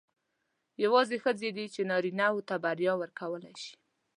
یوازې ښځې دي چې نارینه وو ته بریا ورکولای شي.